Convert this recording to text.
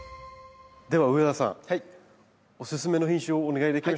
では上田さんオススメの品種をお願いできますか？